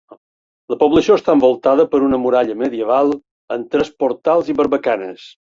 La població està envoltada per una muralla medieval amb tres portals i barbacanes.